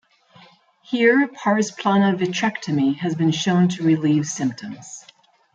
Here pars plana vitrectomy has been shown to relieve symptoms.